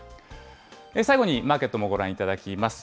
最後にマーケットもご覧いただきます。